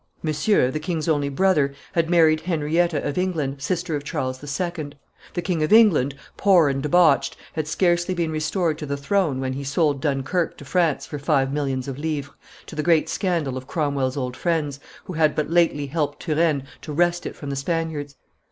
Monsieur, the king's only brother, had married Henrietta of England, sister of Charles II. The King of England, poor and debauched, had scarcely been restored to the throne when he sold Dunkerque to France for five millions of livres, to the great scandal of Cromwell's old friends, who had but lately helped Turenne to wrest it from the Spaniards.